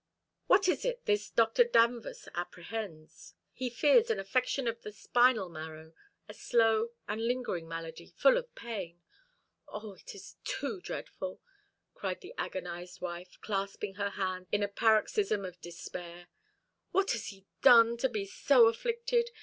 "What is it this Dr. Danvers apprehends?" "He fears an affection of the spinal marrow, a slow and lingering malady, full of pain. O, it is too dreadful!" cried the agonised wife, clasping her hands in a paroxysm of despair. "What has he done to be so afflicted?